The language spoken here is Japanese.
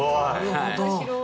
なるほど。